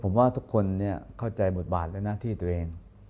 ผมว่าทุกคนเข้าใจบทบาทและหน้าที่ตัวเอง